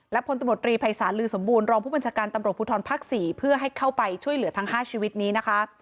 พลตำรวจรีภัยศาลลือสมบูรณรองผู้บัญชาการตำรวจภูทรภาค๔เพื่อให้เข้าไปช่วยเหลือทั้ง๕ชีวิตนี้นะคะ